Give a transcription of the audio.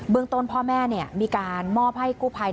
ต้นพ่อแม่มีการมอบให้กู้ภัย